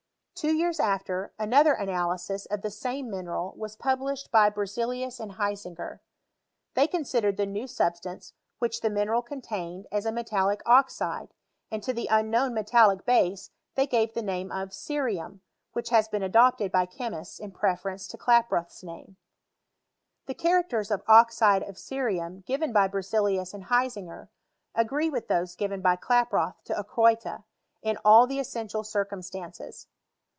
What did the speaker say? Two years after, another analysis of the same mlDerat was published by Berzeliua and Hisinger. They considered the new substance which the miner^ contained as a metallic oxide, and to the unknown metallic base they gave the name of cerium, which has been adopted by chemists in preference to K1& proth's name. The characters of oxide of cerium given by Berzelius and Hisinger, agree with those' given by Klapioth to ochroita, in all the essential circumstances.